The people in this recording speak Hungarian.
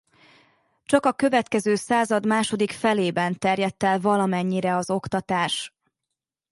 Csak a következő század második felében terjedt el valamennyire az oktatás.